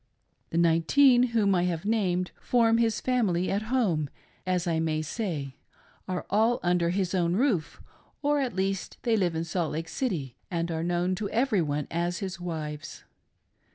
The nineteen whom I have named form his family at home, as I may say — are all under his own roof, or at least they live in Salt Lake City, and are known to every one as his wives.